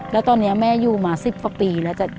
แล้วตอนนี้แม่อยู่มา๑๐กว่าปีแล้ว